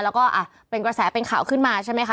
แล้วก็เป็นกระแสเป็นข่าวขึ้นมาใช่ไหมคะ